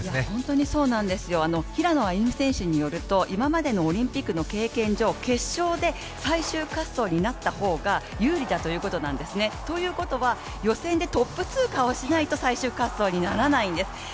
本当にそうなんですよ、平野歩夢選手によると今までのオリンピックの経験上決勝で最終滑走になった方が有利だということなんですね。ということは、予選でトップ通過をしないと最終滑走にならないんです。